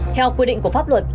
theo quy định của pháp luật